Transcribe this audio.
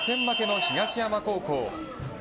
負けの東山高校。